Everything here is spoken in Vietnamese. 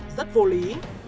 rất vô lý